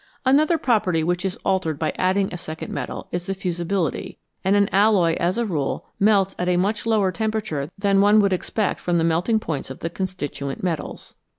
Another property which is altered by adding a second metal is the fusibility, and an alloy as a rule melts at a much lower temperature than one would expect from the melting points of the constituent metals.